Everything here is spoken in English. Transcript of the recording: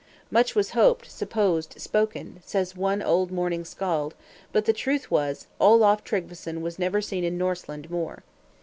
"Much was hoped, supposed, spoken," says one old mourning Skald; "but the truth was, Olaf Tryggveson was never seen in Norseland more."